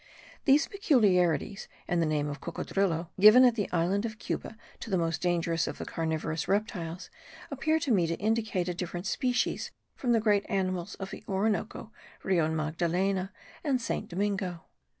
These peculiarities, and the name of cocodrilo, given at the island of Cuba, to the most dangerous of the carnivorous reptiles, appear to me to indicate a different species from the great animals of the Orinoco, Rio Magdalena and Saint Domingo.